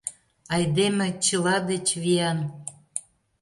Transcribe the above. Айдеме чыла деч виян.